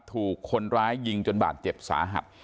ถูกคนร้ายยิงจนบาดเจ็บสาหัส